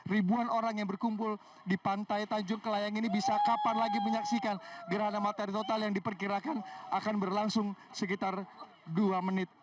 ribuan orang yang berkumpul di pantai tanjung kelayang ini bisa kapan lagi menyaksikan gerhana matahari total yang diperkirakan akan berlangsung sekitar dua menit